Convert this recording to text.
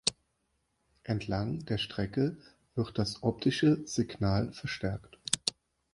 Entlang der Strecke wird das optische Signal verstärkt.